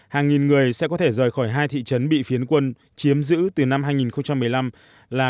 hàng nghìn người sẽ có thể rời khỏi hai thị trấn bị phiến quân chiếm giữ từ năm hai nghìn một mươi năm là